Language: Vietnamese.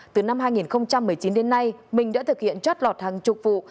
từ năm hai nghìn một mươi chín đến nay minh đã thực hiện trót lọt hàng chục vụ